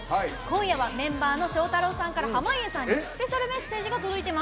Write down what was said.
今夜はメンバーのショウタロウさんから濱家さんにスペシャルメッセージが届いてます。